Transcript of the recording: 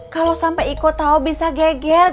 kalau sampai iko tau bisa geger